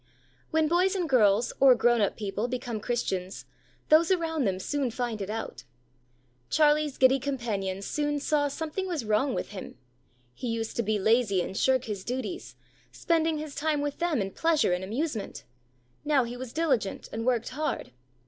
When boys and girls or grown up people become Christians, those around them soon find it out. Charlie's giddy companions soon saw something was wrong with him. He used to be lazy and shirk his studies, spending his time with them in pleasure and amusement, now he was diligent and worked hard.